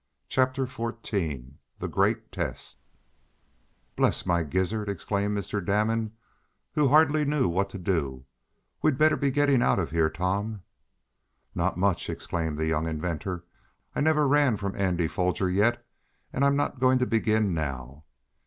Chapter Fourteen The Great Test "Bless my gizzard!" exclaimed Mr. Damon, who hardly knew what to do. "We'd better be getting out of here, Tom!" "Not much!" exclaimed the young inventor. "I never ran from Andy Foger yet, and I'm not going to begin now."